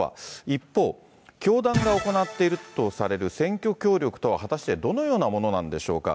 一方、教団が行っているとされる選挙協力とは果たしてどのようなものなんでしょうか。